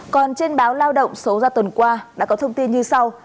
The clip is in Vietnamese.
còn trên báo lao động số ra tuần qua đã có thông tin như sau